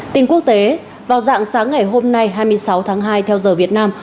tin quốc tế vào dạng sáng ngày hôm nay hai mươi sáu tháng hai theo giờ việt nam